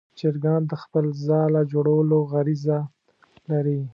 چرګان د خپل ځاله جوړولو غریزه لري.